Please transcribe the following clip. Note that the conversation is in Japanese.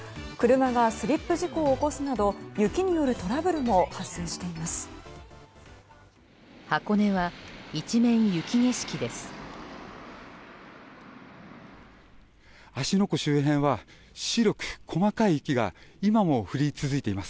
車がスリップ事故を起こすなど雪によるトラブルも発生しています。